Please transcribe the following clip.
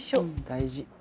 大事。